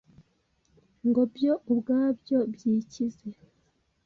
ngo byo ubwabyo byikize